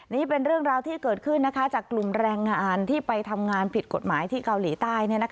นี่เป็นเรื่องราวที่เกิดขึ้นจากกลุ่มแรงงานที่ไปทำงานผิดกฎหมายที่เกาหลีใต้